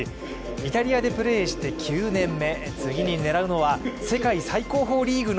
イタリアでプレーして９年目。